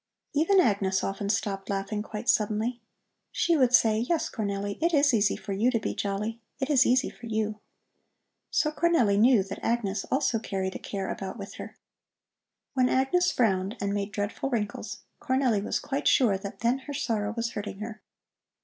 Even Agnes often stopped laughing quite suddenly. She would say: "Yes, Cornelli, it is easy for you to be jolly. It is easy for you." So Cornelli knew that Agnes also carried a care about with her. When Agnes frowned and made dreadful wrinkles, Cornelli was quite sure that then her sorrow was hurting her.